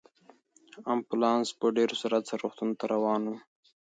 امبولانس په ډېر سرعت سره روغتون ته روان و.